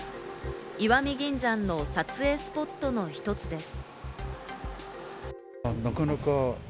石見銀山の撮影スポットの一つです。